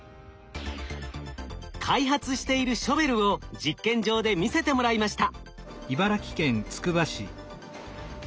開発しているショベルを実験場で見せてもらいました。